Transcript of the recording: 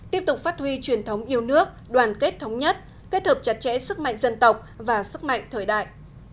tiếp tục phát huy truyền thống yêu nước đoàn kết thống nhất kết hợp chặt chẽ sức mạnh dân tộc và sức mạnh thời đại